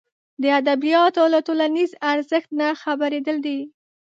د ادبیاتو له ټولنیز ارزښت نه خبرېدل دي.